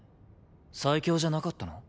最強じゃなかったの？